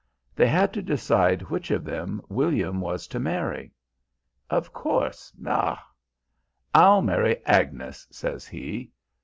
They had to decide which of them William was to marry." "Of course, ah!" "I'll marry Agnes' says he.